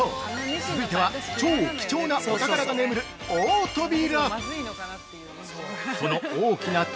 続いては超貴重なお宝が眠る大扉。